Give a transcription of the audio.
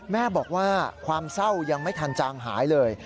แม่บอกว่าความเศร้ายังไม่ทันจางหายเลย